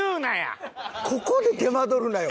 ここで手間取るなよ。